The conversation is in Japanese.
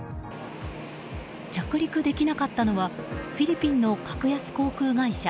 着陸できなかったのはフィリピンの格安航空会社